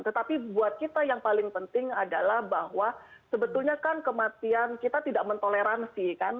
tetapi buat kita yang paling penting adalah bahwa sebetulnya kan kematian kita tidak mentoleransi kan